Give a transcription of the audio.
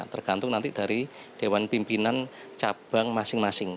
tergantung nanti dari dewan pimpinan cabang masing masing